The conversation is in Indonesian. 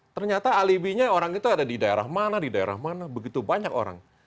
ternyata alibinya orang itu ada di daerah mana di daerah mana begitu banyak orang